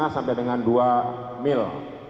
lima sampai dengan dua mil